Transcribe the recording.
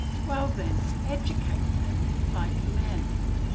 Well then, educate them like men.